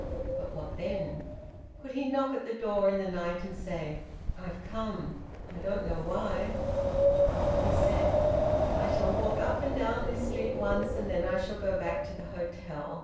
But what then? Could he knock at the door in the night and say: "I've come. I don't know why?" He said: "I shall walk up and down this street once, and then I shall go back to the hotel.